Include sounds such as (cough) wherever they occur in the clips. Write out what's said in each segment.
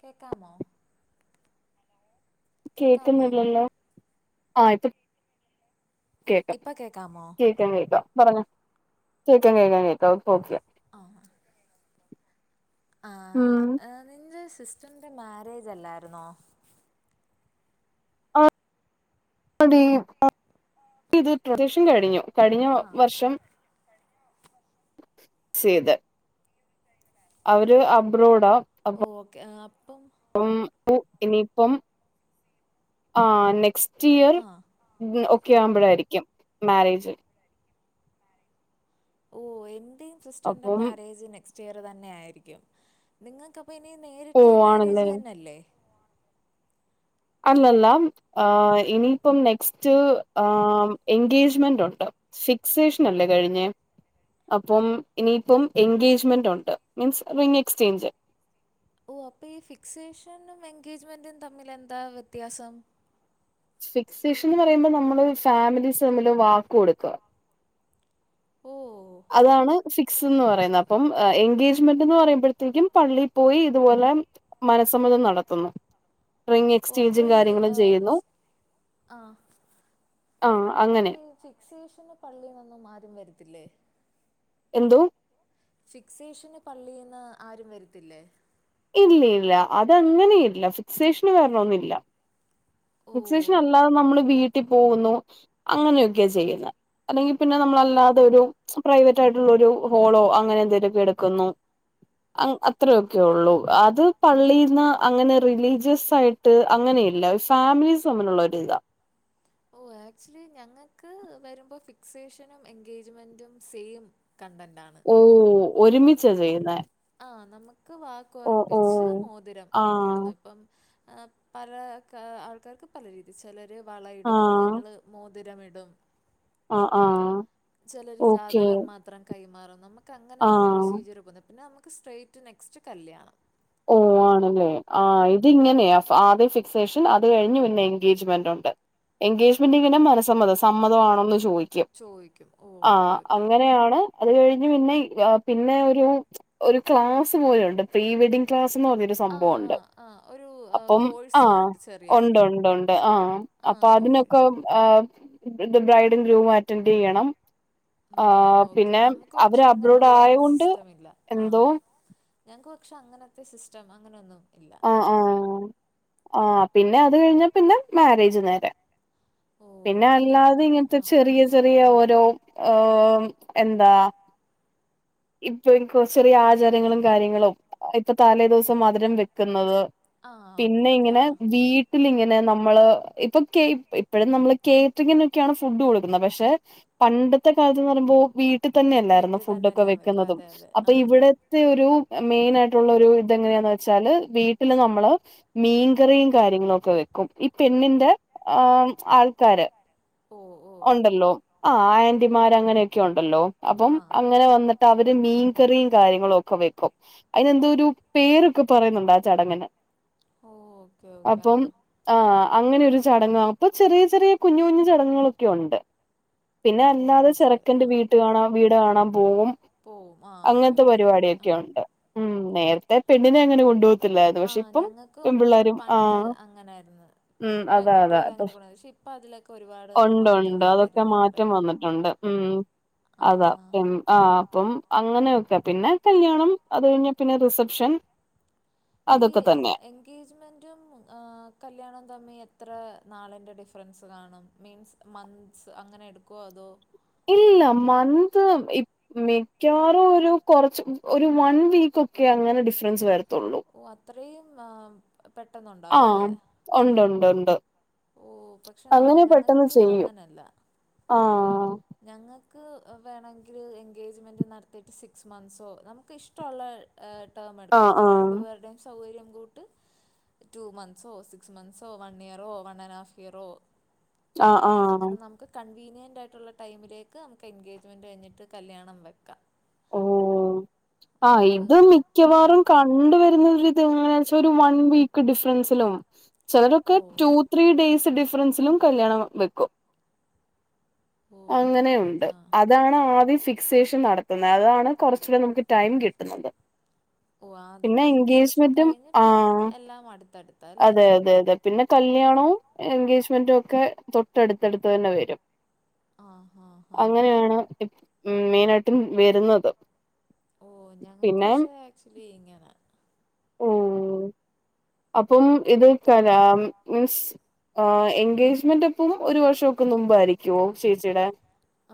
കേക്കാമോ കേക്കാമോ കേക്ക്ന്നില്ലല്ലോ ആയിപ്പ കേക്കാം ഇപ്പം കേക്കാമോ കേ (unintelligible) കേക്ക പറഞ്ഞോ കേക്കാം കേക്കാം കേക്കാം പ്പ ഓക്കെ ആഹ് നിന്റെ സിസ്റ്ററിന്റെ മാരേജ് അല്ലാരുന്നോ ആടീ (unintelligible) കഴിഞ്ഞു കഴിഞ്ഞ വ ആ വർഷം ചെയ്ത് അവര് അബ്രോഡ ഓക്കേ അപ്പം അപ്പം ഇനിപ്പം ആഹ് നെക്സ്റ്റ് ഇയർ ആ ഒക്കെയാവുമ്പഴാരിക്കും മാരേജ് ഓഹ് എന്റെയും സിസ്റ്ററിന്റെ അപ്പം മാരേജ് നെക്സ്റ്റ് ഇയർ തന്നെ ആയിരിക്കും നിങ്ങക്ക് പ്പ ഇനി നേരിട്ട് പോവാണല്ലേ മേരേജ് തന്നെല്ലേ അല്ലല്ല ആഹ് ഇനിയിപ്പം നെക്സ്റ്റ് ആമ് എൻഗേജ്മെന്റ് ഉണ്ട് ഫിക്സേഷൻ അല്ലേ കഴിഞ്ഞേ അപ്പം ഇനിയിപ്പം എൻഗേജ്മെന്റ് ഉണ്ട് മീൻസ് റിങ് എക്സ്ചേഞ്ച് ഓഹ് അപ്പൊ ഈ ഫിക്സേഷനും എൻഗേജ്മെന്റും തമ്മിൽ എന്താ വ്യത്യാസം ഫിക്സേഷൻന്ന് പറയുമ്പോ നമ്മള് ഫാമിലീസ് തമ്മില് വാക്ക് കൊട്ക്ക ഓഹ് അതാണ് ഫിക്സ് ന്ന് പറയുന്ന അപ്പം എൻഗേജ്മെന്റ് എന്ന് പറയുമ്പഴ്ത്തേക്കും പള്ളി പോയി ഇത്പോലെ മനസ്സമ്മതം നടത്തുന്നു റിങ് ഓ എക്സ്ചേഞ്ചും കാര്യങ്ങളും ചെയ്യുന്നു ആഹ് ആഹ് അപ്പ അങ്ങനെ ഈ സേഷൻ പള്ളിന്നൊന്നും ആരും വരത്തില്ലേ എന്തോ ഫിക്സേഷന് പള്ളീന്ന് ആരും വെരത്തില്ലേ ഇല്ല ഇല്ല അതങ്ങനെ ഇല്ല ഫിക്സേഷന് വരണൊന്നില്ല ഫിക്സേഷൻ ഓഹ് അല്ലാത നമ്മള് വീട്ടി പോകുന്നു അങ്ങനെയൊക്കെ ചെയ്യുന്ന് അല്ലെങ്കി പിന്നെ നമ്മളല്ലാതെ ഒരു പ്രൈവറ്റ് ആയിട്ടുള്ള ഒരു ഹോളോ അങ്ങനെ എന്തേലൊക്കെ എടുക്കുന്നു അങ്ങ് അത്രയൊക്കെ ഒള്ളൂ അത് പള്ളീന്ന് അങ്ങനെ റിലീജസ് ആയി ട്ട് അങ്ങനെയില്ല ഫാമിലീസ് തമ്മിലുള്ള ഒരിതാ ഓഹ് ആക്ച്വലി ഞങ്ങക്ക് വരുമ്പോ ഫിക്സേഷനും എൻഗേജ്മെന്റും സെയിം കണ്ടന്റാണ് ഓഹ് നമക്ക് ഒരുമിച്ചാ ചെയ്യുന്നേ ആഹ് നമ്മക്ക് വാക്ക് ഓ ഓ ഒറപ്പിച്ച് മോതിരം ആഹ് ഇടുന്നു ഇപ്പം പല ആൾക്കാർക്ക് പല രീതി ചെലർ വളയിടും ആഹ് ഞങ്ങൾ മോ തിരം ഇടും ആഹ് ആഹ് ചെലര് ഓക്കെ ജാതകം മാ ത്രം കൈമാറും നമുക്ക് അങ്ങനെണ് ഈ ആഹ് പ്രൊസീജിർ പോന്നേ പിന്നെ നമുക്ക് സ്ട്രേറ്റ് നെക്സ്റ്റ് കല്ല്യണം ഓഹ് ആണല്ലേ? ആഹ് ഇത് ഇങ്ങനേ ആദ്യ ഫിക്സേഷൻ. ആ അത് കഴിഞ്ഞ് പിന്നെ എൻഗേജ്മെന്റ് ഒണ്ട്. എൻഗേജ്മെന്റിങ്ങെനെ മനസമ്മതം. സമ്മതമാണോെന്ന് ചോയ് ക്കും. ചോദിക്കും ഓഹ് ഓക്കെ ആഹ് ഓക്കെ അങ്ങനെയാണ് അത് കഴിഞ്ഞ് പിന്നെ ഈ ആഹ് പിന്നെ ഒരു ഒരു ക്ലാസ് പോലുണ്ട്. പ്രീ വെഡ്ഡിംഗ് (unintelligible) യൊരു ആഹ് സംഭവോണ്ട്. ആഹ് ആഹ് ഒരു അപ്പം കോഴ്സ് ആഹ് കൂട്ട് ചെറിയ ഒണ്ട് ഒണ്ട് ഒണ്ട് ആഹ്. അപ്പോ ആഹ് ഓക്കെ അതിനൊക്കെ ഉം ആഹ് ദ് ബ്രൈഡ്ഡും ഗ്രൂമും അറ്റൻഡ്യ്യണം. ഉം ആഹ് ഓക്കെ പിന്നെ നമുക്ക് അവര് പക്ഷെ അബ്രോഡ് അങ്ങനെയുള്ള ആയോകൊണ്ട് സിസ്റ്റം ഇല്ല ആ എന്തോ ഞങ്ങക്ക് പക്ഷേ അങ്ങനത്തെ സിസ്റ്റം അങ്ങനെ ഒന്നും ഇല്ല. ആഹ് ആഹ് ആഹ്. പിന്നെ അത് കഴിഞ്ഞാപ്പിന്നെ മാര്യേജ് നേരേ ഓ പിന്നെ ഓക്കെ അല്ലാതെ ഓക്കെ ഇങ്ങൻത്തെ ആ ചെറിയ ചെറിയ ഓരോ ഓഹ് ഉം എന്താ ഇപ്പോനിക്ക് (unintelligible) ചെറിയ ആചാരങ്ങളും കാര്യങ്ങളും ഇപ്പോ തലേ ദിവസം മധുരം വെക്കുന്നത് ആ ഓക്കെ പിന്നെ ഓക്കെ ഇങ്ങനെ ആ വീട് ട്ടിലിങ്ങനെ നമ്മള് ഇപ്പ കേയ് ഇപ്പഴും നമ്മള് കേറ്റ്റിങ്ങിനൊക്കെയാണ് ഫുഡ് കൊടുക്കുന്നത്. പക്ഷേ പണ്ടത്തെ കാലത്ത്ന്ന് പറയുമ്പോ വീട്ടിൽ തന്നെയല്ലായിരുന്നോ വീട്ടിൽ തന്നെ ഫുഡൊക്കെ എല്ലാം വെക്കും വെക്കുന്നതും അതെ അതെ അപ്പോ ആ ഇവിടെ ഇവിടെത്തെ ഒരു മെയിനായിട്ടുള്ള ഒരു ഇതെങ്ങനെയാണെന്ന് വെച്ചാല് വീട്ടില് നമ്മള് മീൻ ൻകറിയും കാര്യങ്ങളൊക്കെ വെക്കും. ഈ പെണ്ണിന്റെ ആഹ് ആൾക്കാര് ഓ ഓ ഒണ്ടല്ലോ. ആഹ് ആൻ്റിമാരങ്ങനെയൊക്കെ ഒണ്ടല്ലോ. അപ്പം ആ അങ്ങനെ വന്ന് ട്ടവര് മീൻകറിയും കാര്യങ്ങളും ഒക്കെ വെക്കും. അയിനെന്തോ ഒരു പേരൊക്കെ പറയുന്നുണ്ട് ആ ചടങ്ങിന്. ഓ ഓക്കെ ഓക്കെ ആ അപ്പം ആഹ് അങ്ങനെ ഒരു ചടങ്ങ്. ആഹ് അപ്പ ചെറിയ ചെറിയ കുഞ്ഞുകുഞ്ഞു ചടങ്ങുകളൊക്കെയുണ്ട്. പിന്നെ ഓ അല്ലാതെ മനസ്സിലായി ആ ചെറുക്കന്റെ വീട്ട് കാണാ വീട് കാണാൻ പൂവ്വും പോവും ആ ഓക്കെ അങ്ങനത്തെ ഓക്കെ ഓക്കെ ആ പരിപാടിയോക്കെയുണ്ട്. നേരത്തെ പെണ്ണിനെ അങ്ങനെ കൊണ്ടപോ ത്തില്ലായ്രുന്നു. ആ പക്ഷേ ഇപ്പം ഞങ്ങൾക്കും പെമ്പിള്ളേരും. പണ്ട് ആഹ് അങ്ങനായിരുന്നു ഉം അതെ പെൺകുട്ടികളെ അതെ. അങ്ങനെ കൊണ്ടുവന്നു പക്ഷെ ഇപ്പം അതിലൊക്കെ ഒരുപാട് ഒണ്ട് ഒണ്ട് മാറ്റങ്ങൾ അതൊക്കെ വരുന്നുണ്ട് മാറ്റം വന്നിട്ടൊണ്ട്. ഉം ആ അതാ ഹാ പി ആഹ് ഇപ്പം അങ്ങനെയൊക്കെ. പിന്നെ കല്യാണം. അത് കഴിഞ്ഞാ പിന്നെ റിസപ്ഷൻ. ഈ അതൊക്കെ തന്നെ എങ്ങ് എൻഗേജ്മെൻറ്റും ഏഹ് കല്യാണവും തമ്മി എത്ര നാളിൻ്റെ ഡിഫറൻസ് കാണും? മീൻസ് മന്ത്സ് അങ്ങനെ എടുക്ക്വോ അതോ? ഇല്ലില്ല. മന്ത്. ഈഹ് മിക്കവാറും ഒരു കൊറച്ച് ഒരു വൺ വീക്ക് ഒക്കെ അങ്ങനെ ഡിഫറൻസ് വരത്തുള്ളൂ. ഓഹ് അത്രയും വാ ഉം പെട്ടെന്നൊണ്ട് ആഹ്. ഒണ്ട് ഒണ്ട് ഒണ്ട് ഓഹ് പക്ഷേ ന ഞങ്ങക്ക് അങ്ങനല്ല. ആഹ് ഞങ്ങക്ക് ഏഹ് വേണങ്കില് എൻഗേജ്മെൻറ് നടത്തിയിട്ട് സിക്സ് മന്ത്സോ നമുക്ക് ഇഷ്ടോള്ള ഏഹ് ടേം എടുക്ക്വാ. ആഹ് ഇപ്പ രണ്ടു ആഹ് പേരുടേം സൗകര്യം കൂട്ട് ടു മന്ത്സോ സിക്സ് മന്ത്സോ വൺ ഇയറോ വൺ ആൻഡ് ഹാഫ് ഇയറോ ആഹ് ആഹ് അങ്ങനെ നമുക്ക് കൺവീനിയൻറ് ആയിട്ടുള്ള ടൈമിലേക്ക് നമുക്ക് എൻഗേജ്മെൻറ് കഴിഞ്ഞിട്ട് കല്ല്യാണം വെയ്ക്കാം. ഓഹ്. ആഹ് നമുക്ക് ഇത് ആ മിക്കവാറും കാ കൊണ്ട് വരുന്നത് ഇത് എങ്ങനാച്ചാ ഒരു വൺ വീക്ക് ഡിഫറൻസിലും ചെലരൊക്കെ ഓ ടു ത്രീ ഡേയ്സ് ഡിഫറൻസിലും കല്യാണം വെക്കും ഓ ഓക്കെ അങ്ങനെയുണ്ട്. ഓക്കെ ആ അതാണ് ആദ്യം ഫിക്സേഷൻ നട ന്ന അതാണ് കൊറച്ചൂടെ നമുക്ക് ടൈം കിട്ട്ന്നത് ഓഹ് ആദ്യമേ ഫിക്സേഷൻ കഴിഞ്ഞ് പിന്നെ ആഹ് എല്ലാം അട്ത്തട്ത്താൽ അതെ അതെ അതെ പിന്നെ കല്യാണവും എൻഗേജ്മെന്റുഒക്കെ തൊട്ടട്ത്തട്ത്ത് തന്നെ വരും ആ ഹാ ഹാ അങ്ങനെയാണ് എഹ് മെയിനായിട്ടും വരുന്നത് ഓഹ് ഞങ്ങൾക്ക് പിന്നെ പക്ഷെ ആക്ച്വലി ഇങ്ങനാ ഓഹ് അപ്പം ഇത് കലാം മിൻസ് എൻഗേജ്മെന്റപ്പം ഒരു വഷം ക്ക് മുമ്പായിരിക്ക്യോ ചേച്ചിടെ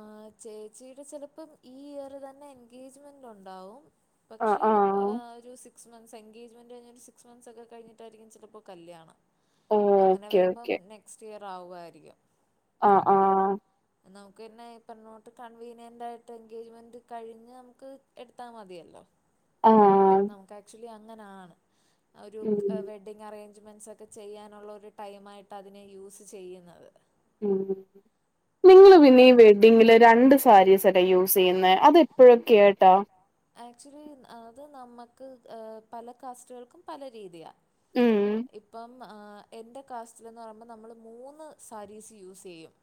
ആഹ് ചേച്ചിടെ സെലപ്പം ഈ ഇയറ് തന്നെ എൻഗേജ്മെന്റുണ്ടാവും പക്ഷേ ആഹ് ഒരു സിക്സ് മന്ത്സ് എഗേജ്മെന്റഴിഞ്ഞരു സിക്സ് മന്ത് സൊക്കെ കഴിഞ്ഞിട്ടായിരിക്കും ചിലപ്പോകല്യാണ അങ്ങനെ ഓക്കെ വരുമ്പം ഓക്കെ നെക്സ്റ്റ് ഇയർ ആവുവാരിക്യും ആഹ് ആഹ് എന്നവു പിന്നെ ഇപ്പം എന്നോട്ട് കൺവീനിയൻ്റായിട്ട് എഗേജ്മെന്റ് കഴിഞ്ഞ് നമുക്ക് എടുത്താമതിയല്ലോ ആഹ് നമുക്ക് ആക്ച്വലി അങ്ങനാണ് ആഹ് ഒരു ഉം കവെ ട്ടിങ്ങഅറേഞ്ച്മെൻസൊക്കെ ചെയ്യാനുള്ളരു ട്ടൈമായിട്ടതിനെ യൂസ് ചെയ്യുന്നത് ഉം നിങ്ങള് ആ പിന്നെ ഈ വെഡ്ഡിങ്ങില് രണ്ട് സാരി സെൽ ക്കെ യൂസെയ്യുന്നേ അതെപ്പഴൊക്കെയായ്ട്ടാ ആക്ച്വലി അത് നമ്മക്ക് ഏഹ് പല കാസ്റ്റുകൾക്കും പല രീതിയാ ഉം ഇപ്പം എൻ്റെ കാസ്റ്റിലെന്ന് പറിമ്പോ നമ്മള് മൂന്ന് സാരീസ് യൂസിയ്യും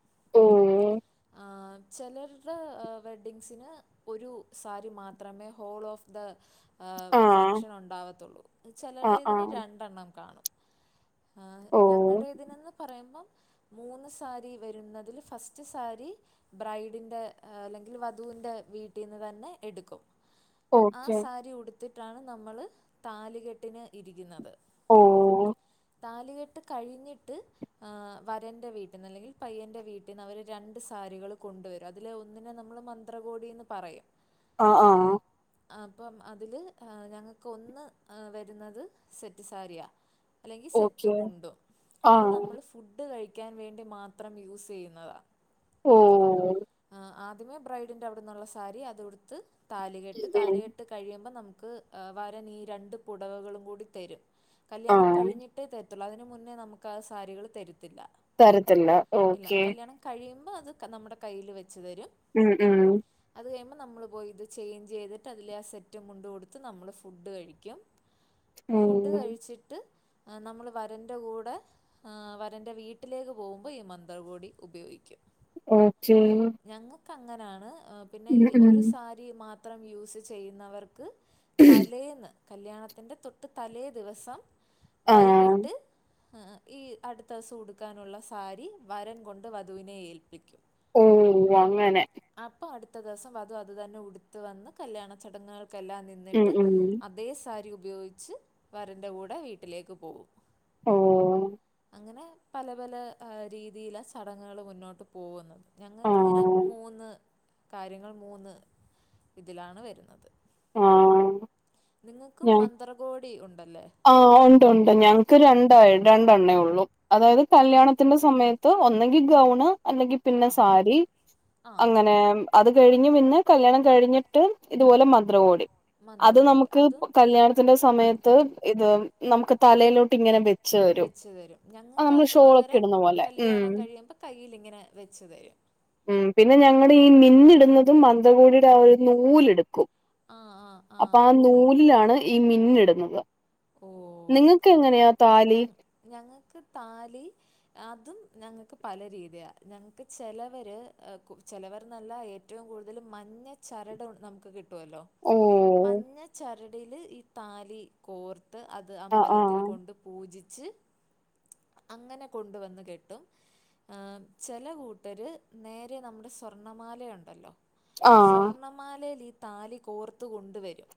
ഓഹ് ആഹ് ചെലര്ടെ ഏഹ് വെഡ്ഡിങ്സിന് ഒരു സാരി മാത്രമേ ഹോൾ ഓഫ് ദ ഏഹ് ആഹ് ഫംഗഷനുണ്ടാവത്തൊള്ളൂ ആഹ് ചെലര്ടേതിന് ആഹ് രണ്ടെണ്ണം കാണും ആഹ് ഓഹ് ഞങ്ങടെതിനന്ന് പറയമ്പം മൂന്ന് സാരി വരുന്നതില് ഫസ്റ്റ് സാരി ബ്രൈഡിന്റെ അല്ലെങ്കിൽ വധൂന്റെ വീട്ടിന്ന് തന്നെ എട്ക്കും ആഹ് ഓക്കെ സാരി ഉട് ത്തിട്ടാണ് നമ്മള് താലികെട്ടിന് ഇരിക്യുന്നത് ഓഹ് താലികെട്ട് കഴിഞ്ഞിട്ട് ആഹ് വരന്റെ വീട്ടിന്ന് അല്ലെങ്കിൽ ആഹ് വരൻ്റെ വീട്ട്ന്നല്ലങ്കിൽ പയ്യന്റെ വീട്ടിന്ന വര് രണ്ട് സാരികൾ കൊണ്ടുവരു അതില് ഒന്നിനെ നമ്മള് മ ത്ര കോടിയന്ന് പറയും ആഹ് ആഹ് അപ്പം അതില് എഹ് ഞങ്ങക്ക് ഒന്ന് വരുന്നത് സെറ്റ് സാരിയാ അല്ലെങ്കി ഓക്കെ സെറ്റ്മുണ്ടോ ആ അത് നമ്മള് ഫുഡ്ഡ് കഴിക്ക്യാൻ വേണ്ടി മാത്രം യൂസി യ്യുന്നതാ ഓ ആഹ് ആദ്യമേ ബ്രൈഡിന്റെ അവ്ട്ന്നുള്ള സാരി അതുട്ത്ത് താലികെട്ട് ഉം ഉം. താലികെട്ട് കഴിയുമ്പ നംക്ക് വരൻ ഈ രണ്ട് പുടവകളും കൂടി തരും ആ കല്യാണം കഴിഞ്ഞിട്ടേ തര്ത്തുള്ളൂ അതിന് മുന്നേ നമ്ക്ക് ആഹ് സാരികൾ തര്ത്തില്ല തരത്തില്ല ഓക്ക്യേ കഴിയുമ്പോ അത് ക നമ്ടെ കയ്യില് വെച്ച് തരും ഉം ഉം അത് കഴിയുമ്പം നമ്മള് പോയി ഇത് ചേഞ്ച് ചെയ്തിട്ട് അതിലെ ആ സെറ്റ് മുണ്ട് കൊടുത്ത് നമ്മള് ഫുഡ് കഴിക്കും. ഉം ഫുഡ് കഴിച്ചിട്ട് നമ്മള് വരന്റെ കൂടെ ഏഹ് വരന്റെ വീട്ടിലേക്ക് പോകുമ്പോ ഈ മന്ത്രകോടി ഉപയോഗിക്കും. ഓക്കേ ഞങ്ങൾക്കങ്ങനാണ് പിന്നെ ഈ ഉം ഒരു സാരി മാത്രം യൂസ് ചെയ്യുന്നവർക്ക് തലേന്ന്. കല്യാണത്തിറെ തൊട്ട് തലേ ദിവസം ആ വൈകിട്ട്. ഈ അടുത്ത ദിവസം ഉടുക്കാനുള്ള സാരി വരൻ കൊണ്ട് വധുവിനെ ഏൽപ്പിക്കും. ഓ അങ്ങനെ! അപ്പൊ അടുത്ത ദിവസം വധു അത് തന്നെ ഉടുത്തു വന്ന് കല്യാണ ചടങ്ങുകൾക്കെല്ലാം നിന്ന്. ഉം ന്നിട്ട് ഉം അതേ സാരി ഉപയോഗിച്ച് വരന്റെറെ കൂടെ വീട്ടിലേക്ക് പോവും. ഓഹ്! (unintelligible) അങ്ങനെ പല പല രീതിയില ചടങ്ങുകൾ മുന്നോട്ട് പോകുന്നത്. ആ ഞങ്ങൾക്കങ്ങിനെ! മൂന്ന് കാര്യങ്ങൾ മൂന്ന്! ഇതിലാണ് വരുന്നത്. ആ നിങ്ങൾക്കും മന്ത്രകോടി ഉണ്ടല്ലോ? ആഹ്! ഉണ്ട് ഉണ്ട്. ഞങ്ങക്ക് രണ്ടായി രണ്ടെണ്ണേ ഉള്ളൂ. അതായത് കല്യാണത്തിന്റെ സമയത്ത് ഒന്നെങ്കി ഗൗണ്. അല്ലെങ്കിൽ ആ പിന്നെ സാരി ആ അങ്ങനെ! അത് കഴിഞ്ഞ് പിന്നെ കല്യാണം കഴിഞ്ഞിട്ടും ഇതുപോലെ മ! മന്ത്രകോടി. അത് മന്ത്രകോടി നമുക്ക് അതും കല്യാണത്തിന്റെ സമയത്ത്! ഇത് നമുക്ക് തലയിലോട്ട് ഇങ്ങനെ വെച്ച് തരും. വെച്ച് തരും അത് ഞങ്ങൾക്ക് നമ്മള് ഷോളൊക്കെ ഇടുന്ന പോലെ. ഉം! അപ്പം കയ്യിലിങ്ങനെ വെച്ചു തരും. ഉം! പിന്നെ ഞങ്ങുടെ ഈ മിന്നിടുന്നതും മന്ത്ര കോ ടിയുടെ ആ ഒരു നൂലെടുക്കും ആ ആ അപ്പൊ ആ ഓ നൂലിലാണ് ഈ മിന്നിടുന്നത്. നിങ്ങൾക്ക് ഓക്കേ ഓക്കെ! എങ്ങനെയാ ഞ താലി ഞങ്ങൾക്ക് താലി! അതും ഞങ്ങൾക്ക് പല രീതിയാ. ഞങ്ങക്ക് ചിലവര് ചിലവർ എന്നല്ല ഏ! ഏറ്റവും കൂടുതൽ മഞ്ഞ ചരട് നമുക്ക് കിട്ടുമല്ലോ. ഓ! മഞ്ഞ ചരടില് ഈ താലി കോർത്ത് അത് ആഹ് അമ്പലത്തിൽ ആഹ് കൊണ്ട്! പൂജിച്ച് അങ്ങനെ കൊണ്ടുവന്ന് കെട്ടും. ആഹ്! ചില കൂട്ടരു നേരെ നമ്മുടെ സ്വർണ്ണമാലയുണ്ടല്ലോ. ആഹ് സ്വര്ണ്ണമാലയില് ഈ താലി കോർത്തു കൊണ്ടുവരും.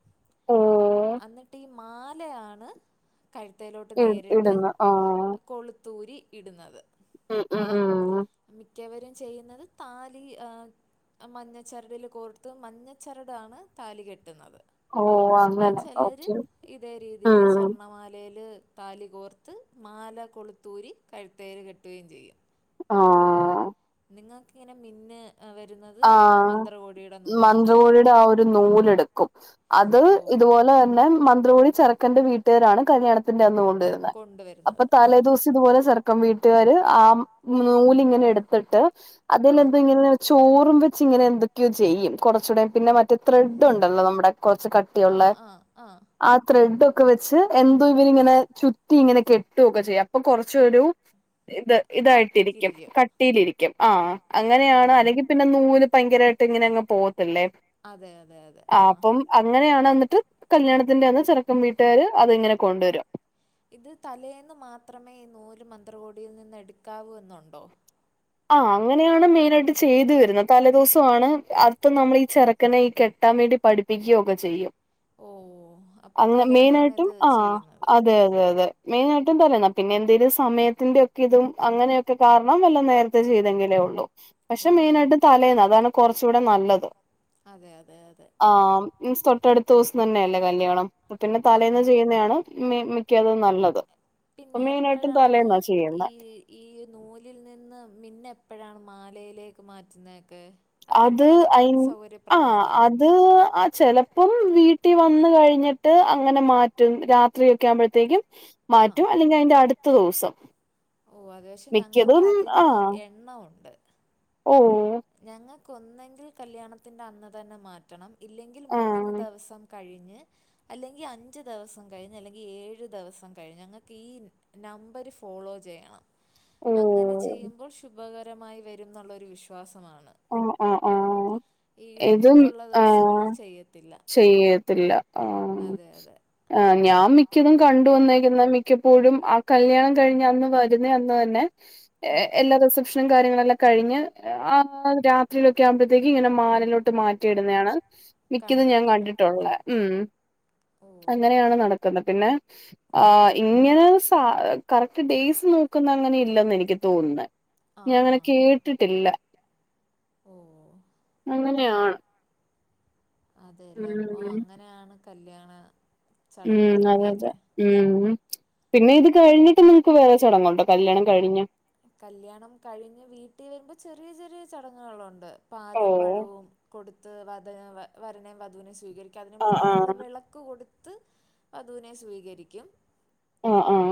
ഓ! അന്നിട്ട് മാലയാണ്. കഴുത്തേലോട്ട് ഇ നേരിട്ട് ഇടുന്നു ആഹ് കൊളുത്തൂരി ഇടുന്നത്. ആഹ്! ആ ആ! മിക്കവരും ചെയ്യുന്നത് താലി ആഹ്! മഞ്ഞച്ചരടില് കോർത്ത് മഞ്ഞ ചരടാണ് താലി കെട്ടുന്നത്. ഓഹ് എന്ന അങ്ങനെ ചിലര് ഓക്കെ ഇതേ രീതിയില് ഉം സ്വർണ്ണമാലയില്! താലി കോർത്ത് മാല കൊളുത്തൂരി കഴുത്തേല് കെട്ടുകയും ചെയ്യും. ആഹ്! നിങ്ങൾക്കിങ്ങനെ മിന്ന് വരുന്നത് ആഹ് മന്ത്രകോടിയുടെ നൂലിലാണല്ലേ? മന്ത്രകോടിയുടെ ആ നൂലെടുക്കും. അത് ഓ ഇതുപോലെ തന്നെ മന്ത്രകോടി ചെറ്ക്കന്റെ വീട്ടുകാരാണ് കല്യാണത്തിന്റെ അന്ന് കൊണ്ടു വെരുന്നെ. കൊണ്ട് വെരുന്നത്. ആഹ് ട്ട് ഇതുപോലെ ചെറ്ക്കൻ വീട്ട്കാര് ആ നൂലിങ്ങനെ എട്ത്തിട്ട് അതിൽ ആ എന്താ ഇങ്ങനെ തൂറും വെച്ച് ഇങ്ങനെ എന്തൊക്കെയോ ചെയ്യും. കൊറച്ചൂടെ പിന്നെ മറ്റെ ത്രെഡ് ഉണ്ടല്ലോ? നമ്മുടെ കൊർച്ച് ക ആഹ് ആഹ് ആഹ് ആ ത്രെഡ് ഒക്കെ വെച്ച് എന്തോ ഇവെര് ഇങ്ങനെ ചുറ്റി ഇങ്ങനെ കെ ട്ടു ഒക്കെ ചെയ്യും അപ്പ കൊറച്ചൊരു ഇത് ഇതായിട്ട് ഇരിക്കും കട്ടിക്കിരിക്കും കട്ടിയിൽ ഇരിക്കും. ആഹ് ഓ അങ്ങനെയാണ് അല്ലെങ്കി പിന്നെ നൂല് ഭയങ്കരായിട്ട് ഇങ്ങനെ അങ്ങ് പോവത്ത് ഇല്ലെ അതെ അതെ അതെ ആ ആഹ് അപ്പം അങ്ങനെയാണ് എന്നിട്ട് കല്യാണത്തിന്റെ അന്ന് ചെറ്ക്കെൻ വീട്ട്കാര് അത് ഇങ്ങനെ കൊണ്ട് വെരും. ഇത് തലേന്ന് മാത്രമേ ഈ നൂല് മന്ത്രകോടിയിൽ നിന്ന് എട്ക്കാവൂ എന്നുണ്ടോ? ആഹ അങ്ങനെയാണ് മെയിനായിട്ട് ആയിട്ട് ചെയ്ത് വെര്ന്നെത്. തലെ ദുവ്സാണ് അപ്പം നമ്മൾ ഈ ചര ക്കനെ ഈ കെട്ടാം വേണ്ടി പഠിപ്പിക്കൊക്കെ ചെയ്യും ഓ അപ്പം അങ്ങെൻ തലേന്നാണ് മെയിനായ്ട്ടും ഇത് ആഹ് ചെയ്യുന്നത് അതെ അതെ അതെ മെയിനായിട്ടും തരണം. പിന്നെ എന്തെലും സമയത്തിന്റെ ഒക്കെ ഇതും അങ്ങനെയൊക്കെ കാർണം വല്ല നേര് ത്തെ ചെയ്തെങ്കിലെ ഒള്ളു. ഓ പക്ഷെ, മെയിനായിട്ട് തലേന്ന് അതാണ് കൊർച്ചുടെ നല്ലത്. അതെ അതെ അതെ ആഹ് മീൻസ് തൊട്ടടുത്ത ദുവ്സം തന്നെയല്ലെ കല്യാണം അപ്പ പിന്നെ ആ തലേന്ന് ചെയ്യുന്നെയാണ് മി മിക്കതും നല്ലത് പിന്നെ ഇപ്പം മെയ്നായിട്ടും എപ്പോഴാണ് തലേന്നാ ചെയ്യുന്നെ ഈ ഈ നൂലിൽ നിന്ന് മിന്ന് എപ്പഴാണ് മാലയിലെക്ക് മാറ്റുന്നെ ഒക്കെ അഹ് അത് നമ്മടെ അയി സൗകര്യ ആ പ്രദാവാണോ? അത് ആഹ് ചെലപ്പം വീട്ടി വന്ന് കഴിഞ്ഞിട്ട് അങ്ങനെ മാറ്റുന്നെ രാത്രിയൊക്കെ ആവുമ്പഴ്ത്തെക്കും ആ മാറ്റും അല്ലെങ്കി അയിന്റെ അടുത്ത ദുവ്സം ഓഹ് അതെ പക്ഷെ ഞങ്ങക്ക് അതിന് എണ്ണം ഉണ്ട് ഓഹ് ഞങ്ങക്ക് ഒന്നെങ്കിൽ കല്യാണത്തിന്റെ അന്ന് തന്നെ മാറ്റണം ഇല്ലെങ്കിൽ ആ മൂന്ന് ദെവസം കഴിഞ്ഞ്. അല്ലെങ്കി അഞ്ച് ദെവസം കഴിഞ്ഞ് അല്ലെങ്കി ഏഴ് ദെവസം കഴിഞ്ഞ് ഞങ്ങക്ക് ഈ നമ്പര് ഫോളോ ചെയ്യണം ഓ അങ്ങനെ ചെയ്യുമ്പോൾ ശുഭകരമായി വെരുംന്നൊള്ളൊരു വിശ്വാസമാണ്. ആഹ് ആഹ് ആഹ് ഈ ഇതും ഇടവിട്ടുള്ള ആഹ് ദിവസങ്ങളിൽ ചെയ്യത്തില്ല ചെയ്യെത്ത് ഇല്ല ആഹ് അതെ അതെ ആഹ് ഞാം മിക്കതും കണ്ട് വന്നേക്കുന്നെ മിക്കപ്പോഴും ആഹ് കല്യാണം കഴിഞ്ഞ അന്ന് ത രുന്നെ അന്നുതന്നെ ആ ഏഹ് എല്ലാ റിസപ്ഷെനും കാര്യങ്ങളെല്ലാം കഴിഞ്ഞ് ഏഹ് ആഹ് ആഹ് രാത്രിയിലൊക്കെ ആവുമ്പഴ്ത്തേക്ക് ഇങ്ങനെ മാലയിലോട്ട് മാറ്റിയിടുന്നെയാണ്. മിക്കതും ഞാൻ കണ്ടിട്ടുള്ള കണ്ടിട്ട് ഉള്ളെ ഉം ഓ അങ്ങനെയാണ് നടക്കുന്നത് പിന്നെ, ആഹ് ഇങ്ങനെ സ കറക്റ്റ് ഡേയ്‌സ് നോക്കുന്നെ അങ്ങനെ ഇല്ല എന്നാ എനിക്ക് തോന്ന്ന്നെ ആ ഞാ അങ്ങനെ ഹാ കേട്ടിട്ട് ഇല്ല ഓഹ് അങ്ങനെ ആണ് അതെ ലെ അപ്പൊ ഉം അങ്ങനെയാണ് കല്യാണ ഉം അതെ ചടങ്ങുകളൊക്കെ അതെ അല്ലേ ഉം പിന്നെ ഇത് കഴിഞ്ഞിട്ട് നിങ്ങക്ക് വേറെ ചടങ്ങുണ്ടോ? കല്യാണം കഴിഞ്ഞ്? കല്യാണം കഴിഞ്ഞ് വീട്ടി വെരുമ്പം ചെറിയ ചെറിയ ചടങ്ങുകൾ ഉണ്ട് പാലും ഓഹ് പഴവും കൊട്ത്ത് വധനെ വരനേം വധുനേം സ്വീകരിക്കാ അതിന് ആഹ് മുന്നേ നമ്മൾ ആഹ് വെള ക്ക് കൊട്ത്ത് വധുനെ സ്വീകരിക്കും ആഹ് ആഹ്